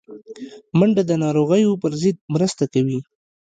منډه د ناروغیو پر ضد مرسته کوي